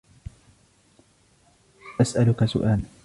أسألك سؤالاً.